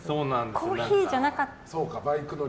コーヒーじゃなかったけど。